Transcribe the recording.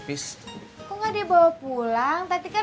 bisa buruk boleh ga luin gitu retek